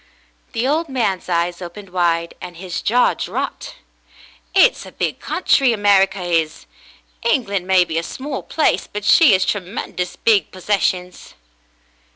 The old man's eyes opened wide, and his jaw dropped. "It's a big country — America is. England may be a small place, but she 'as tremendous big possessions."